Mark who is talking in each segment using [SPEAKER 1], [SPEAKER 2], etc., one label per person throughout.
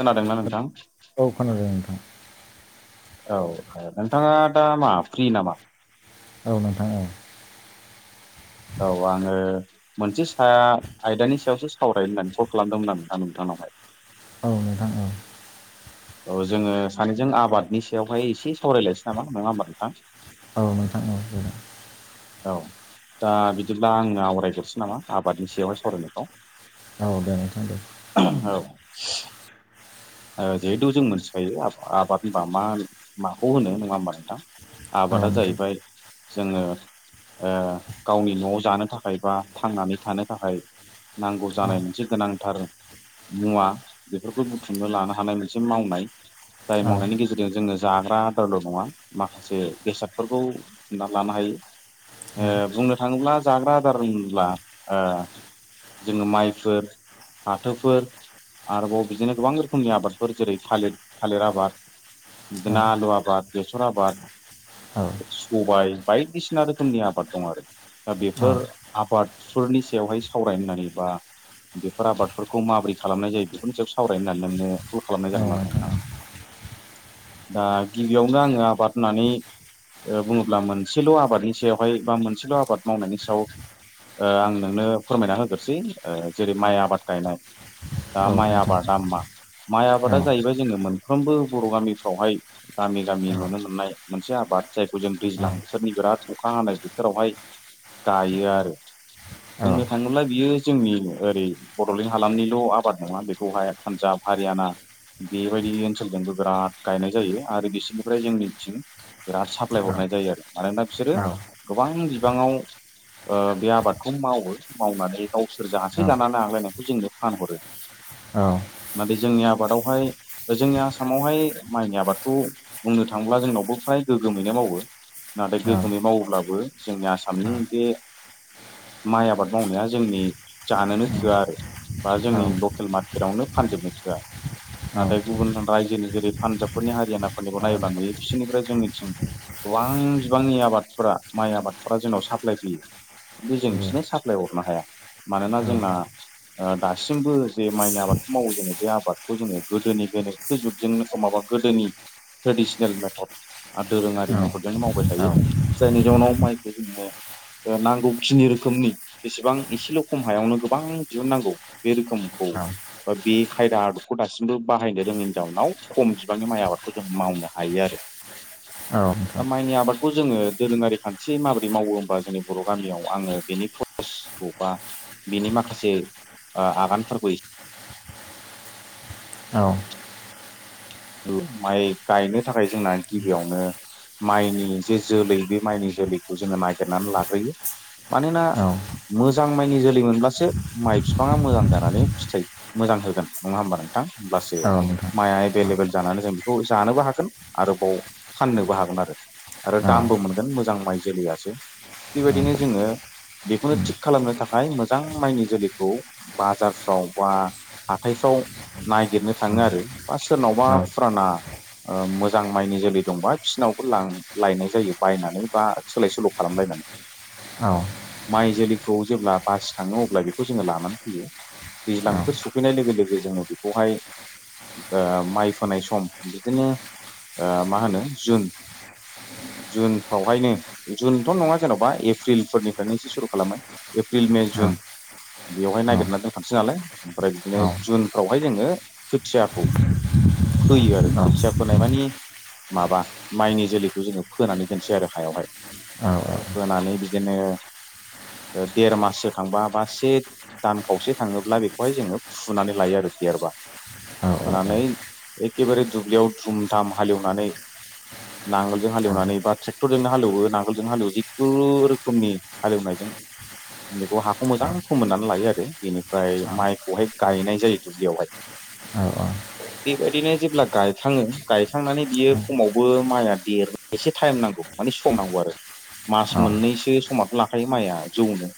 [SPEAKER 1] खोनादोंना
[SPEAKER 2] हेल'
[SPEAKER 1] नोंथां
[SPEAKER 2] औ खोनादों नोंथां
[SPEAKER 1] औ नोंथाङा दा मा फ्रि नामा
[SPEAKER 2] औ नोंथां औ
[SPEAKER 1] औ आङो मोनसे सा आयदानि सायावसो सावरायनो होननानै कल खालामदोंमोन आं नोंथां नोंथांनाव [unintelligible]
[SPEAKER 2] औ नोंथां औ
[SPEAKER 1] औ जोङो सानैजों आबादनि सायावहाय एसे सावरायलायसै नामा नङा होमबा नोंथां
[SPEAKER 2] औ नोंथांनाव जागोन
[SPEAKER 1] औ दा बिदिब्ला आंनो आवरायगरसै नामा आबादनि सायावहाय सावरायनायखौ
[SPEAKER 2] औ दे नोंथां दे
[SPEAKER 1] औ जिहेथु जों मोनथिखायो आबाद होनबा मा माखौ होनो नङा होमबा नोंथां
[SPEAKER 2] औ
[SPEAKER 1] आबादा
[SPEAKER 2] नोंथां
[SPEAKER 1] जाहैबाय जोङो गावनि न'वाव जानो थाखाय बा थांनानै थानो थाखाय नांगौ
[SPEAKER 2] औ
[SPEAKER 1] जानाय मोनसे गोनांथार मुवा बेफोरखौ बुथुम लानो हानाय मोनसे मावनाय जाय
[SPEAKER 2] औ
[SPEAKER 1] मावनायनि गेजेरजों जोङो जाग्रा दारल नङा माखासे बेसादफोरखौ बुथुमना लानो हायो बुंनो थाङोब्ला जाग्रा आदार होनोब्ला जोङो माइफोर फाथोफोर आरोबाव बिदिनो गोबां रोखोम रोखोमनि आबादफोर जेरै थालिर थालिर आबाद
[SPEAKER 2] औ
[SPEAKER 1] आलु आबाद बेसर आबाद
[SPEAKER 2] औ
[SPEAKER 1] सबाय बायदिसिना रोखोमनि आबाद दं आरो दा बेफोर आबादफोरनि सायावहाय सावरायनानै बा बेफोर आबादफोरखौ माबोरै खालामनाय जायो बेखौनि सायाव सावरायनो नागिरायो नोंनो कल खालामनाय जागोन
[SPEAKER 2] औ
[SPEAKER 1] आरो
[SPEAKER 2] औ
[SPEAKER 1] नोंथां दा गिबियावनो आङो आबाद होननानै बुङोब्ला मोनसेल आबादनि सायावहाय बा मोनसेल' आबाद मावनायनि सायाव आं नोंनो फोरमायना होग्रोसै जेरै माइ आबाद गायनाय
[SPEAKER 2] औ
[SPEAKER 1] दा माइ आबादा
[SPEAKER 2] नोंथां
[SPEAKER 1] मा माइ आबादा जाहैबाय जोङो मोनफ्रोमबो बर' गामिफ्रावहाय गामि गामि नुनो मोननाय मोनसे आबाद जायखौ जों दैज्लां बोथोरनि बिराद अखा हानाय बोथोरावहाय गायो आरो बुंनो थाङोब्ला बियो जोंनि ओरै बडलेण्ड हालामनिल आबाद नङा बेखौहाय पान्जाब हारियाना बेबायदि ओनसोलजोंबो बिराद गायनाय जायो आरो बिसोरनिफ्राय जोंनिथिं बिराद साप्लाय हरनाय नाय जायो आरो मानोना बिसोरो गोबां बिबाङाव बे आबादखौ मावो मावनानै गावसोर जसे जानानै आग्लायनायखौ जोंनो फानहरो
[SPEAKER 2] औ
[SPEAKER 1] नाथाय जोंनि आबादावहाय जोंनि आसामावहाय माइनि आबादखौ बुंनो थाङोब्ला जोंनावबो फ्राय गोगोमैनो मावो नाथाय गोगोगोमै मावोब्लाबो जोंनि आसामनि बे माइ आबाद मावनाया जोंनि जानोनो थोआ आरो बा जोंनि लकेल मार्केटआवनो फानजोबनो खिथाया नाथाय गुबुन रायजोनि जेरै पान्जाबफोरनि हारियानाफोरनिखौ नायोब्ला नुयो बिसोरनिफ्राय जोंनिथिं गोबां बिबांनि आबादफोरा माइ आबादफोरा जोंनाव साप्लााय फैयो खिनथु जों बिसोरनो साप्लाय हरनो हाया मानोना जोंना ओ दासिमबो जे माइनि आबाद मावो जोङो बे आबादखौ जोङो गोदोनि गोनोखो जुगजोंनो अ माबा गोदोनि ट्रेडिसनेल मेथड आरो दोरोङारि मेथडजोंनो मावबाय थायो जायनि जाउनाव माइखौ जोङो नांगौखिनि रोखोमनि जेसेबां एसेल' खम हायावनो गोबां दिहुननांगौ बे रोखोम खौ बा बे खायदा आदबखौ दासिमबो बाहायनो रोङैनि जाउनाव खम बिबांनि माइ आबादखौ जों मावनो हायो आरो दा माइनि आबादखौ जोङो दोरोङारि खान्थि माबोरै मावो होनबा जोंनि बर' गामियाव आङो बेनि प्रसेसखौ बा बिनि माखासे ओ आगानफोरखौ एसे
[SPEAKER 2] औ
[SPEAKER 1] ओ माइ गायनो थाखाय जोंना गिबियावनो माइनि जे जोलै बे माइनि जोलैखौ जोङो निगिरनानै लाग्रोयो मानोना मोजां माइनि जोलै मोनब्लासो माइ फिफांआ मोजां जानानै फिथाइ मोजां होगोन नङा होमबा नोंथां होमब्लासो माइआ एबेलेबोल जानानै जों बेखौ जानोबो हागोन आरोबाव फाननोबो हागोन आरो आरो दामबो मोनगोन मोजां माइ जोलैआसो बेबायदिनो जोङो बेखौनो
[SPEAKER 2] औ औ औ
[SPEAKER 1] थिग खालामनो थाखाय मोजां माइनि जोलैखौ बाजारफ्राव बा हाथायफ्राव नागिरनो थाङो आरो बा सोरनावबा फुराना ओ मोजां माइनि जोलै दंबा बिसिनावबो लां लायनाय जायो बायनानै बा सोलाय सोल' खालामलायनानै माइ जोलैखौ जेब्ला बासिखाङो अब्ला बेखौ जोङो लानानै फैयो दैज्लां बोथोर सफैनाय लोगो लोगो जोङो बेखौहाय ओ माइ फोनाय सम बिदिनो ओ मा होनो जुन जुनफ्रावहायनो जुनथ' नङा जेन'बा एप्रिलफोरनिफ्रायनो एसे सुरु खालामो एप्रिल मे जुन
[SPEAKER 2] औ
[SPEAKER 1] बेवहाय नागिरनानै दोनथारसै नालाय ओमफ्राय बिदिनो जुनफ्रावहाय जोङो खोथियाखौ फोयो आरो खोथिया फोनाय मानि माबा माइनि जोलैखौ जोङो फोनानै दोनसै आरो हायावहाय जनानै बिदिनो ओ देर माससो थांबा बा से दान खावसे थाङोब्ला बेखौहाय जोङो फुनानै लायो आरोखि देरबा होनानै एखेबारे दुब्लियाव धुम धाम हालेवनानै नांगोलजों हालेवनानै बा ट्रेक्टरजोंनो हालेवो नांगोलजों हालेवो जिखुन रोखोमनि हालेवनायजों बेखौ हाखौ मोजां फोमोननानै लायो आरो बेनिफ्राय माइखौहाय गायनाय जायो दुब्लियावहाय
[SPEAKER 2] औ औ
[SPEAKER 1] बेबायदिनो जेब्ला गायखाङो गायखांनानै बियो खमावबो माइआ देरनो एसे टाइम नांगौ माने सम नांगौ आरो मास मोननैसो समाथ' लाखायो माइआ जौनो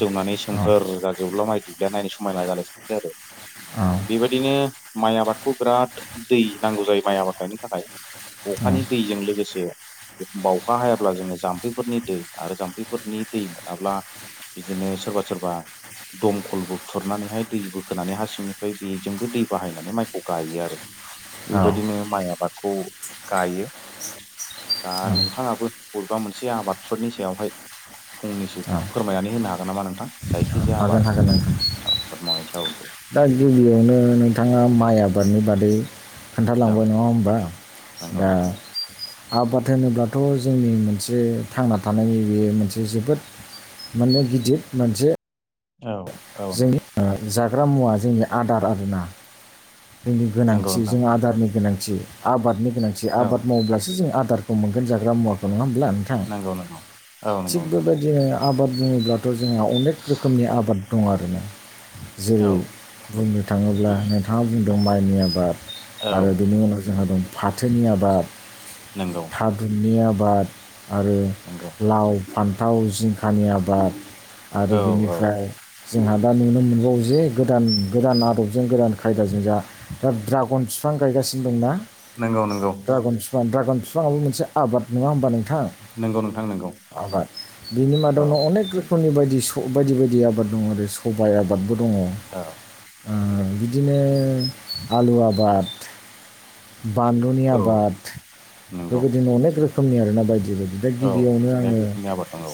[SPEAKER 1] जौनानै सोमखोर जाजोबोब्ला माइ दुबलिया नायनो समायनाा जालायनोसै आरो बेबायदिनो माइ आबादखौ बिराद दै नांगौ जायो माइ आबाद गायनो थाखाय अखानि दैजों लोगोसे एखनबा अखा हायाब्ला जोंङो जाम्फैफोरनि दै आरो जाम्फैफोरनि दै मोनाब्ला बिदिनो सोरबा सोरबा दमखलबो खुरनानैहाय दै बोखोनानै हा सिंनिफ्राय बेजोंबो दै बाहायनानै माइखौ गायो आरो बेबायदिनो माइ आबादखौ गायो। दा नोंथाङाबो बबेबा मोनसे आबादफोरनि सायावहाय फंनैसो फोरमायनानै होनो हागोन नामा नोंथां जायखिजाया आबाद
[SPEAKER 2] हागोन नोंथां
[SPEAKER 1] आबाद मावनायनि सायाव दे
[SPEAKER 2] दा गिबियावनो नोंथाङा माइ आबादनि बाद दै
[SPEAKER 1] औ
[SPEAKER 2] खोन्थालांबाय नङा होमबा
[SPEAKER 1] नंगौ
[SPEAKER 2] दा
[SPEAKER 1] नोंथां
[SPEAKER 2] आबाद होनोब्लाथ' जोंनि मोनसे थांना थानायनि बेयो मोनसे जोबोद माने गिदिर मोनसे
[SPEAKER 1] औ औ
[SPEAKER 2] जोंनि ओ, जाग्रा मुवा जोंनि आदार आबादनि
[SPEAKER 1] नंगौ नोंथां
[SPEAKER 2] गोनांथि
[SPEAKER 1] औ
[SPEAKER 2] आबाद मावोब्लासो जों आदारखौ मोनगोन जाग्रा मुवाखौ न' ना नोंथां
[SPEAKER 1] नंगौ नंगौ औ
[SPEAKER 2] थिग
[SPEAKER 1] नंगौ नोंथां
[SPEAKER 2] बेबायदिनो आबाद बुङोब्लाथ' जोंहा अनेक रोखोमनि आबाद दं आरोना
[SPEAKER 1] औ
[SPEAKER 2] जेरै बुंनो थाङोब्ला नोंथाङा बुंदों माइनि आबाद
[SPEAKER 1] औ
[SPEAKER 2] आरो बेनि उनाव जोंहा दं फाथोनि आबाद
[SPEAKER 1] नंगौ
[SPEAKER 2] थादुननि आबाद आबाद आरो
[SPEAKER 1] नंगौ
[SPEAKER 2] लाव फान्थाव जिंखानि आबाद आरो
[SPEAKER 1] औ औ
[SPEAKER 2] बिनिफ्राय जोंहा दा नुनो मोनबावो जे गोदान गोदान आदबजों गोदान खायदा जोंजा ड्रागन फिफां गायगासिनो ना
[SPEAKER 1] नंगौ नंगौ
[SPEAKER 2] ड्रागग बिफां ड्रागन बिफांआबो मोनसे आबाद नङा होमबा नो थां
[SPEAKER 1] नंगौ नोंथां नंगौ
[SPEAKER 2] आबाद बिनि
[SPEAKER 1] औ
[SPEAKER 2] मादावनो अनेक रोखोम नि बायदि बायदि बायदि आबाद दङ आरो सबाइ आबादबो दङ
[SPEAKER 1] औ
[SPEAKER 2] बिदिनो आलु आबाद बानलुनि
[SPEAKER 1] औ
[SPEAKER 2] आबाद
[SPEAKER 1] नंगौ
[SPEAKER 2] बेबायदिनो अनेक रोखोमनि आरोना बायदि जेबायदि दा
[SPEAKER 1] औ
[SPEAKER 2] गिबियावनो
[SPEAKER 1] अनेक
[SPEAKER 2] आङो
[SPEAKER 1] रोखोमनि आबाद दङ औ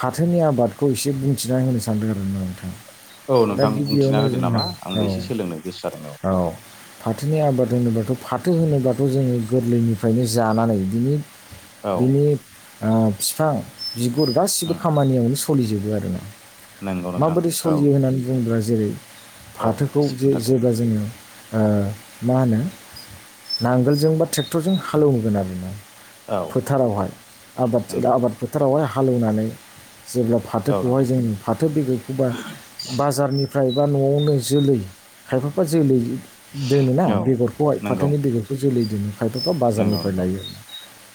[SPEAKER 2] फाथोनि आबादखौ एसे बुंथिनानै होनो सानदों आरो ना नोंथां
[SPEAKER 1] औ
[SPEAKER 2] दा
[SPEAKER 1] नोंथां बुंथिना
[SPEAKER 2] गिबियावनो
[SPEAKER 1] होदो नामा
[SPEAKER 2] जोंहा
[SPEAKER 1] आंबो
[SPEAKER 2] औ
[SPEAKER 1] एसे सोलोंनो गोसो जादों
[SPEAKER 2] औ फाथोनि आबाद होनोबाथ' फाथो होनोबाथ' जोङो गोरलैनिफ्रायनो जानानै बिनि
[SPEAKER 1] औ
[SPEAKER 2] बिनि बिफां बिगुर गासैबो
[SPEAKER 1] उम
[SPEAKER 2] खामानियावनो सोलिजोबो आरो ना
[SPEAKER 1] नंगौ नोंथां
[SPEAKER 2] माबोरै
[SPEAKER 1] औ
[SPEAKER 2] सोलियो होननानै बुङोब्ला जों जेरै
[SPEAKER 1] औ
[SPEAKER 2] फाथोखौ
[SPEAKER 1] एसे
[SPEAKER 2] जे
[SPEAKER 1] खोन्थादो
[SPEAKER 2] जेब्ला जोङो आ मा होनो नांगोलजों बा ट्रेक्टरजों हालेवगोन आरो
[SPEAKER 1] औ
[SPEAKER 2] फोथारावहाय आबाद
[SPEAKER 1] नंगौ
[SPEAKER 2] आबाद फोथारावहाय हालेवनानै जेब्ला
[SPEAKER 1] औ
[SPEAKER 2] फाथोखौहाय
[SPEAKER 1] नोंथां
[SPEAKER 2] जों फाथो बेगरखौबा बाजारनिफ्राय बा न'आवनो जोलै खायफाफा जोलै दोनोना
[SPEAKER 1] औ
[SPEAKER 2] बेगरखौहाय
[SPEAKER 1] नंगौ
[SPEAKER 2] फाथोनि बेगरखौ जोलै दोनो खायफा
[SPEAKER 1] नंगौ
[SPEAKER 2] बाजारनिफ्राय
[SPEAKER 1] नंगौ
[SPEAKER 2] लायो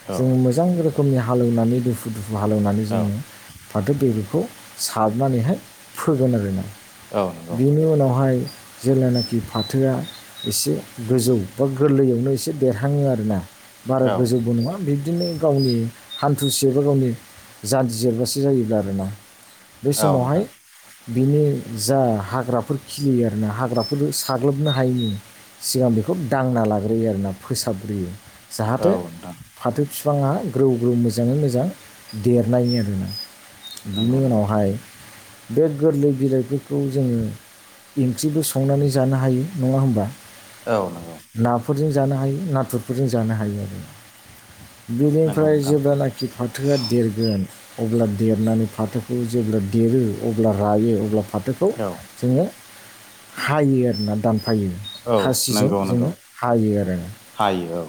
[SPEAKER 1] औ
[SPEAKER 2] जों मोजां रोखोमनि हालेवनानै दुफु दुफु हालेवनानै
[SPEAKER 1] औ
[SPEAKER 2] जोङो फाथो बेगरखौ सारनानैहाय फोगोन आरो ना
[SPEAKER 1] औ नंगौ
[SPEAKER 2] बिनि उनावहाय जेलानाखि फाथोआ एसे गोजौ बा गोरलैयावनो एसे देरहाङो आरोना बारा
[SPEAKER 1] औ
[SPEAKER 2] गोजौबो नङा बे बिदिनो गावनि हान्थु सेरबा गावनि जानजि जेरबासे जायो आरोना बे
[SPEAKER 1] औ
[SPEAKER 2] समावहाय
[SPEAKER 1] नोंथां
[SPEAKER 2] बिनि जा हाग्राफोर खिलियो आरोना हाग्राफोर साग्लोबनो हायिनि सिगां बेखौ दांना लाग्रोयो आरोना फोसाबग्रोयो
[SPEAKER 1] औ
[SPEAKER 2] जाहाथे
[SPEAKER 1] नोंथां
[SPEAKER 2] फाथो बिफाङा ग्रौ ग्रौ मोजाङै मोजां देरनायनि आरो ना बिनि
[SPEAKER 1] नंगौ नंगौ
[SPEAKER 2] उनावहाय बे गोरलै बिलाइफोरखौ जोङो ओंख्रिबो संनानै जानो हायो नङा होमबा
[SPEAKER 1] औ नंगौ
[SPEAKER 2] नाफोरजों जानो हायो नाथुरफोरजों जानो हायो आरो
[SPEAKER 1] नंगौ
[SPEAKER 2] बिनिफ्राय
[SPEAKER 1] नोंथां
[SPEAKER 2] जेब्लानाखि फाथोआ देरगोन अब्ला देरनानै फाथोखौ जेब्ला देरो अब्ला रायो अब्ला फाथो
[SPEAKER 1] औ
[SPEAKER 2] जोङो हायो आरोना दान फायो
[SPEAKER 1] औ
[SPEAKER 2] खासिजों
[SPEAKER 1] नंगौ नंगौ
[SPEAKER 2] जोङो हायो आरो
[SPEAKER 1] हायो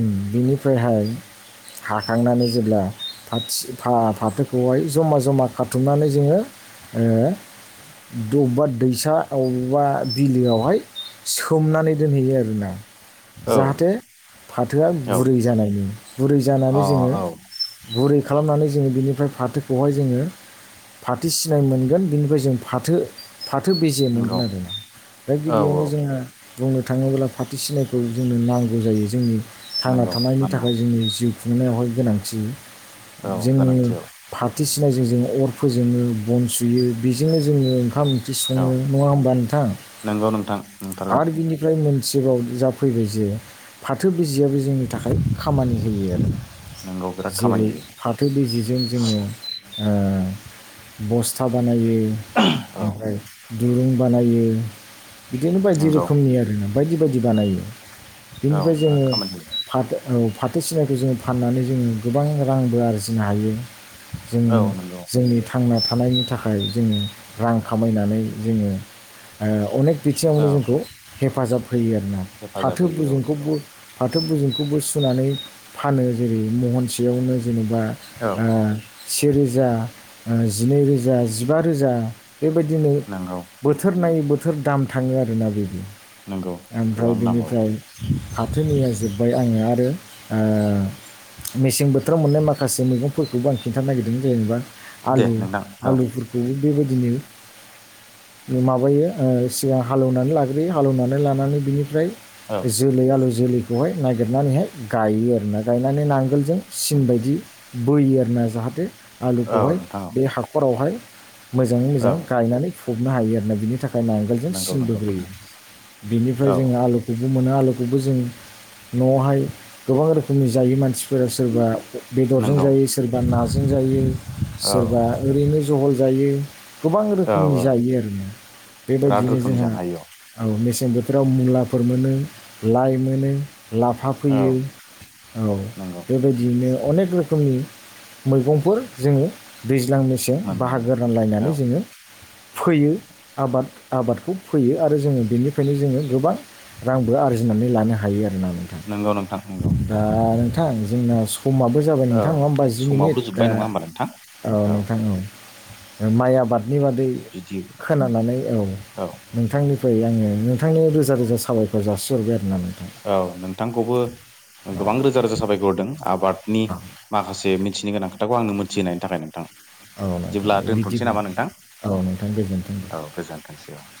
[SPEAKER 2] ओम बिनिफ्रायहाय हाखांनानै जेब्ला फाथस-फाथो-फाथोखौहाय जमा जमा खाथुमनानै जोङो ए बबबा दैसा अबावबा बिलोआवहाय सोमनानै दोनहैयो आरोना
[SPEAKER 1] औ
[SPEAKER 2] जाहाथे फाथोआ
[SPEAKER 1] औ
[SPEAKER 2] गुरै जानायनि गुरै
[SPEAKER 1] औ
[SPEAKER 2] जानानै जोङो
[SPEAKER 1] अ औ
[SPEAKER 2] गुरै खालामनानै जोङो बिनिफ्राय फाथोखौहाय जोङो फाथो सिनाय मोनगोन बिनिफ्राय जों फाथो फाथो बेजे
[SPEAKER 1] नंगौ
[SPEAKER 2] मोनगोन आरो ना दा
[SPEAKER 1] औ औ
[SPEAKER 2] गिबियावनो जोंहा बुंनो थाङोब्ला फाथो सिनायखौ जोंनो नांगौ जायो जोंनि थांना
[SPEAKER 1] नंगौ
[SPEAKER 2] थानायनि
[SPEAKER 1] नांगौ
[SPEAKER 2] थाखाय जोंनि जिउ खुंनायावहाय गोनांथि
[SPEAKER 1] औ
[SPEAKER 2] जोंनि
[SPEAKER 1] गोनांथि औ
[SPEAKER 2] फा थो सिनायजों जों अर फोजोङो बन सुयो बेजोंनो जोङो ओंखाम ओखि
[SPEAKER 1] औ
[SPEAKER 2] सङो नङा होमबा नोंथां
[SPEAKER 1] नंगौ नोंथां
[SPEAKER 2] आरो
[SPEAKER 1] नंथारगौ
[SPEAKER 2] आर बिनिफ्राय मोन सेबाव जाफैबाय जे फाथो बिजियाबो जोंनि थाखाय खामानि होयो आरो
[SPEAKER 1] नंगौ बिराद खामानि
[SPEAKER 2] जेरै
[SPEAKER 1] होयो
[SPEAKER 2] फाथो बेजेजों जोङो ओ बसथा बानायो
[SPEAKER 1] औ
[SPEAKER 2] आमफ्राय दुरुं बानायो बिदिनो बायदि
[SPEAKER 1] नंगौ
[SPEAKER 2] रोखोमनि आरोना बायदि बायदि बानायो
[SPEAKER 1] औ
[SPEAKER 2] बिनिफ्राय
[SPEAKER 1] बिराद
[SPEAKER 2] जोङो
[SPEAKER 1] खामानि
[SPEAKER 2] फाथो औ फाथो सिनायखौ जोङो फाननानै जोङो गोबां रांबो आरजिनो हायो जों
[SPEAKER 1] होयो औ नंगौ
[SPEAKER 2] जोंनि थांना थानायनि थाखाय जोङो रां खामायनानै जोङो ओ अनेक बिथिङावनो
[SPEAKER 1] औ
[SPEAKER 2] जोंखौ हेफाजाब होयो आरोना
[SPEAKER 1] हेफाजाब
[SPEAKER 2] फाथो
[SPEAKER 1] होयो औ नंगौ
[SPEAKER 2] बेजेंखौबो फाथो बुजेंखौबो सुनानै फानो जेरै महनसेयावनो आ जेनेबा
[SPEAKER 1] औ
[SPEAKER 2] ओ से रोजा जिनै रोजा जिबा रोजा बेबायदिनो
[SPEAKER 1] नंगौ
[SPEAKER 2] बोथोर नायै बोथोर दाम थाङो आरोना बिदि
[SPEAKER 1] नंगौ
[SPEAKER 2] आमफ्राय
[SPEAKER 1] गोबां नांबावगौ
[SPEAKER 2] बिनिफ्राय फाथोनिया जोबबाय आङो आरो ओ मेसें बोथोराव मोननाय माखासे मैगंफोरखौबो आं खिनथानो नागिरदों जेनेबा
[SPEAKER 1] दे
[SPEAKER 2] आलु
[SPEAKER 1] नोंथां औ
[SPEAKER 2] आलुफोरखौ बेबायदिनो माबायो ओ सिगां हालौवनानै लाग्रोयो हालेवनानै लानानै बिनिफ्राय
[SPEAKER 1] औ
[SPEAKER 2] बे जोलै आलु जोलैखौहाय नागिरनानैहाय गायो आरोना गायनानै नांगोलजों सिन
[SPEAKER 1] नंगौ
[SPEAKER 2] बायदि बोयो आरोना जाहाथे
[SPEAKER 1] औ
[SPEAKER 2] आलुखौहाय
[SPEAKER 1] नोंथां औ
[SPEAKER 2] बे हाखरावहाय मोजाङै
[SPEAKER 1] औ
[SPEAKER 2] मोजां गायनानै फबनो हायो बिनि थाखाय नांगोलजों
[SPEAKER 1] नंगौ
[SPEAKER 2] सिन
[SPEAKER 1] नंगौ
[SPEAKER 2] बोग्रोयो
[SPEAKER 1] नोंथां
[SPEAKER 2] बेनिफ्राइ
[SPEAKER 1] औ
[SPEAKER 2] जों आलुखौ मोनो आलुखौबो जों न'आवहाय गोबां रोखोमनि जायो मानसिफोरा सोरबा बेदरजों
[SPEAKER 1] नंगौ
[SPEAKER 2] जायो सोरबा नाजों जायो
[SPEAKER 1] औ
[SPEAKER 2] सोरबा ओरैनो जहल जायो गोबां
[SPEAKER 1] औ
[SPEAKER 2] रोखोमनि
[SPEAKER 1] औ
[SPEAKER 2] जायो आरो ना
[SPEAKER 1] बिराद
[SPEAKER 2] बेबायदिनो
[SPEAKER 1] रोखोमनि
[SPEAKER 2] जोंहा
[SPEAKER 1] जानो हायो
[SPEAKER 2] औ मेसें मेसें बोथोराव मुलाफोर मोनो लाइ मोनो लाफा
[SPEAKER 1] औ
[SPEAKER 2] फोयो औ
[SPEAKER 1] नंगौ
[SPEAKER 2] बेबायदियैनो अनेक रोखोमनि मैगंफोर जोङो दैज्लां मेसें
[SPEAKER 1] मोननो हायो
[SPEAKER 2] बाहागो
[SPEAKER 1] औ
[SPEAKER 2] रानलायनानै जोङो फोयो आबाद आबादखौ फोयो आरो जोङो बेनिफ्रायनो जोङो गोबां रांबो आरजिनानै लानो हायो आरोना नोंथां
[SPEAKER 1] नंगौ नोंथां नंगौ
[SPEAKER 2] दा
[SPEAKER 1] औ
[SPEAKER 2] नोंथां जोंना सम समाबो जाबाय
[SPEAKER 1] औ
[SPEAKER 2] नोंथां नङा होमबा जि
[SPEAKER 1] समाबो
[SPEAKER 2] मिनिट दा
[SPEAKER 1] जोब्बाय नङा होमबा नोंथां
[SPEAKER 2] औ नोंथां औ ओ माइ आबादनि बादै
[SPEAKER 1] बिदि
[SPEAKER 2] खोनानानै औ
[SPEAKER 1] औ
[SPEAKER 2] नोंथांनि नोंथांनि गेजेरजों नोंथांनो रोजा रोजा साबायफोर जासिहरबाय आरोना नोंथां
[SPEAKER 1] औ नोंथांखौबो गोबां रोजा रोजा साबायखर होदों आबादनि
[SPEAKER 2] औ
[SPEAKER 1] माखासे मिथिनो गोनां खोथाखौ आंनो मोथिहोनायनि थाखाय नोंथां
[SPEAKER 2] औ नोंथां
[SPEAKER 1] बिदिब्ला
[SPEAKER 2] दे
[SPEAKER 1] दोनथ'सै
[SPEAKER 2] बिदिब्ला
[SPEAKER 1] नामा नोंथां
[SPEAKER 2] औ नोंथां गोजोन्थों दे
[SPEAKER 1] औ गोजोनथोंसै औ [inaudible]